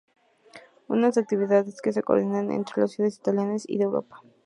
Una actividad que se coordina con otras ciudades italianas y de Europa.